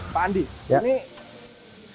pak andi ini